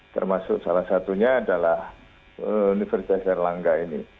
termasuk salah satunya adalah universitas erlangga ini